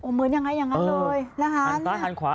เหมือนยังไงยังงั้นเลยหันตาหันขวา